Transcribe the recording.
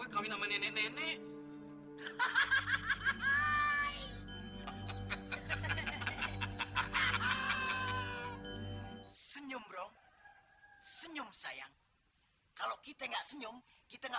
senyum bro senyum sayang kalau kita nggak senyum kita nggak